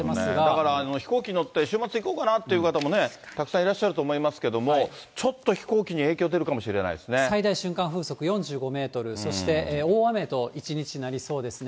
だから飛行機乗って週末行こうかなという方、たくさんいらっしゃると思いますけれども、ちょっと飛行機に影響出るかもしれな最大瞬間風速４５メートル、そして、大雨と一日、なりそうですね。